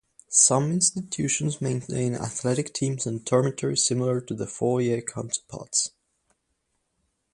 Some institutions maintain athletic teams and dormitories similar to their four-year counterparts.